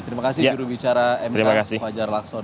terima kasih juru bicara mk fajar laksonoso